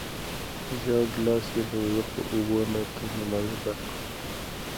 زېړ ګیلاس یې له یخو اوبو نه تر نیمايي ډک کړ.